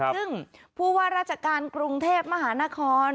ซึ่งผู้ว่าราชการกรุงเทพมหานคร